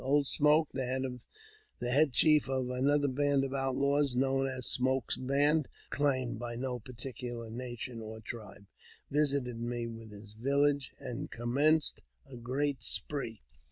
Old Smoke, the head chief of another band of Outlaws, known as Smoke's Band, but claimed by no particular nation or tribe, visited me, with his village, and commenced a great spree..